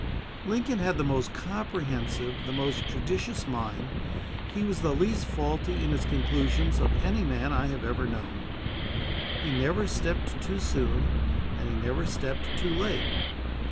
Lincoln had the most comprehensive, the most judicious mind; he was the least faulty in his conclusions of any man I have ever known. He never stepped too soon, and he never stepped too late.